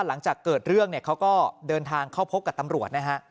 หลังจากเกิดเรื่องเนี่ยเขาก็เดินทางเข้าพบกับตำรวจนะฮะ